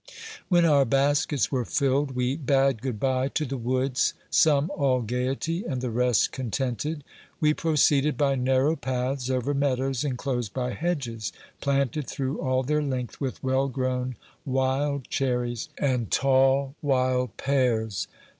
When our baskets were filled we bade good bye to the woods, some all gaiety and the rest contented. We pro ceeded by narrow paths over meadows enclosed by hedges planted through all their length with well grown wild cherries and tall wild pears.